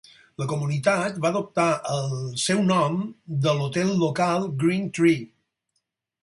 La comunitat va adoptar el seu nom de l'hotel local Green Tree.